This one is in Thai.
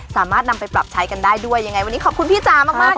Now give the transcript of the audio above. สามารถนำไปปรับใช้กันได้ด้วยยังไงวันนี้ขอบคุณพี่จ๋ามากมาก